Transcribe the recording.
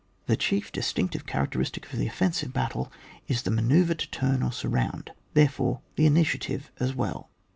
The chief distinctive characteristic of the offensive battle is the manoeuvre to turn or surround, therefore, the initiative as well.